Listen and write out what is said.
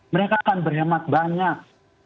mereka akan berhemat banyak